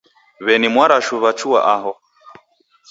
W'eni Mwarashu wachua aho.